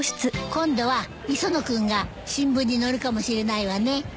今度は磯野君が新聞に載るかもしれないわね。